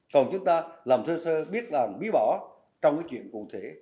còn chúng ta làm thô sơ biết làm bí bỏ trong cái chuyện cụ thể